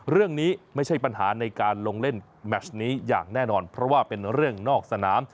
ไม่ใช่ปัญหาในการลงเล่นแมชนี้อย่างแน่นอนเพราะว่าเป็นเรื่องนอกสนาม